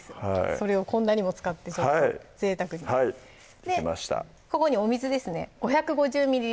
それをこんなにも使ってちょっとぜいたくにはいできましたでここにお水ですね５５０ｍｌ